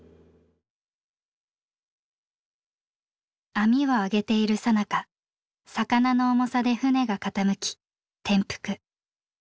網をあげているさなか魚の重さで船が傾き転覆。